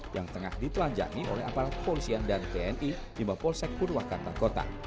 yang tengah ditelanjani oleh aparat polisian dan tni di mepolsek purwakarta kota